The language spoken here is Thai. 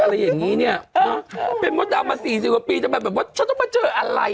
เป็นเพราะดาวน์มา๔๐กว่าปีจะแบบว่าฉันต้องมาเจออะไร